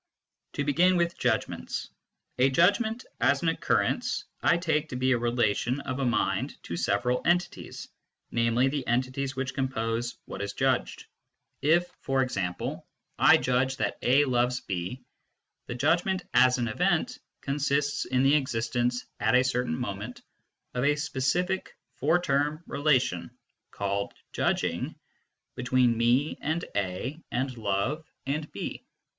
To begin with judgments : a judgment, as an occurrence, I take to be a relation of a mind to several entities, namely, the entities which compose what is judgM. If, e.g. I judge 320 MYSTICISM AND LOGIC that A ioves B, the judgment as an event consists in the existence, at a certain moment, of a specific four term relation, called judging, between me and A and love and B.